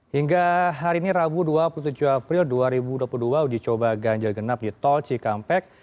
hingga hari ini rabu dua puluh tujuh april dua ribu dua puluh dua uji coba ganjil genap di tol cikampek